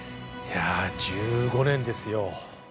いや１５年ですよ。